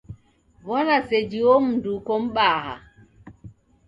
W'ona seji uo mundu uko m'baha!